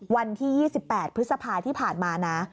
วันที่๒๘พฤษภาที่ผ่านมานะ